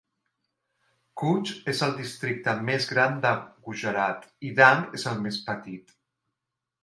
Kutch és el districte més gran de Gujarat i Dang és el més petit.